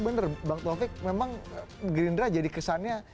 berarti kita harus punya